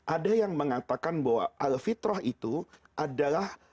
ada yang mengatakan bahwa alfitrah itu adalah islam